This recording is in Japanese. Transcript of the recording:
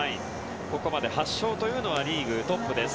ここまで８勝というのはリーグトップです。